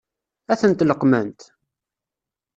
Ad ten-leqqment?